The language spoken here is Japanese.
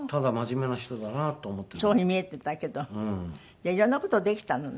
じゃあ色んな事できたのね。